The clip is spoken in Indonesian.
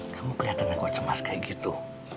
kamu kelihatannya kok cemas kayak gitu